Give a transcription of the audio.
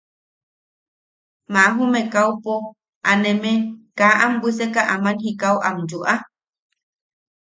¡Maa jume kaupo aneme kaa am bwiseka aman jikau am yuuʼa!